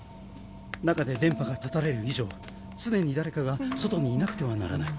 中で電波が断たれる以上常に誰かが外にいなくてはならない。